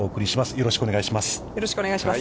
よろしくお願いします。